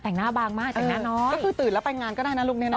แต่งหน้าบางมากแต่งหน้าน้อยก็คือตื่นแล้วไปงานก็ได้นะลูกเนี่ยนะ